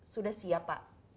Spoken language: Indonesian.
sudah siap pak